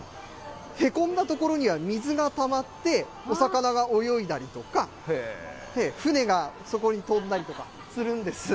へこんだ所には水がたまって、お魚が泳いだりとか、船がそこに飛んだりとかするんです。